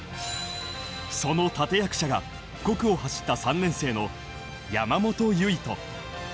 その立役者が５区を走った３年生の山本唯翔。